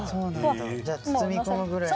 じゃあ包み込むぐらいの。